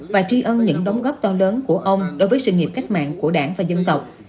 và tri ân những đóng góp to lớn của ông đối với sự nghiệp cách mạng của đảng và dân tộc